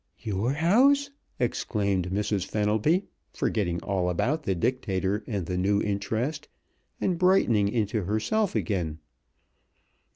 "Your house!" exclaimed Mrs. Fenelby, forgetting all about the Dictator in the new interest, and brightening into herself again.